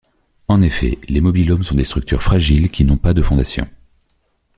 En effet, les mobile homes sont des structures fragiles qui n'ont pas de fondations.